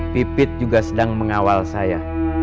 pipit juga sedang mengawal saya